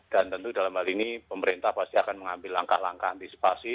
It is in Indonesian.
dan tentu dalam hal ini pemerintah pasti akan mengambil langkah langkah antisipasi